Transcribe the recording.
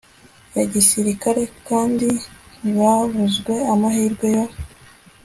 ya gisirikare kandi ntibabuzwe amahirwe yo